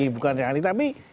bukan sehari hari tapi